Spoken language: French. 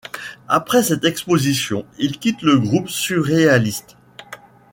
Après cette exposition, il quitte le groupe surréaliste.